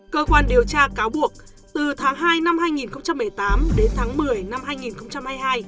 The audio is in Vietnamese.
cơ quan điều tra cáo buộc từ tháng hai năm hai nghìn một mươi tám đến tháng một mươi năm hai nghìn hai mươi hai